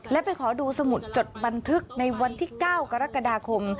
และไปขอดูสมุดจดบันทึกในวันที่๙กรกฎาคม